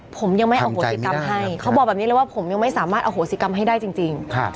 ผมยังไม่อโหสิกรรมให้เขาบอกแบบนี้เลยว่าผมยังไม่สามารถอโหสิกรรมให้ได้จริง